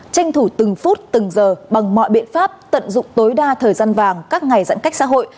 tranh thủ từng phút từng giờ bằng mọi biện pháp tận dụng tối đa thời gian vàng các ngày giãn cách xã hội